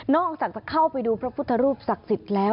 อกจากจะเข้าไปดูพระพุทธรูปศักดิ์สิทธิ์แล้ว